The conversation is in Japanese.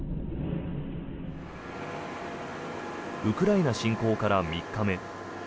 ウクライナ侵攻から３日目。